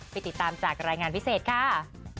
ติดตามจากรายงานพิเศษค่ะ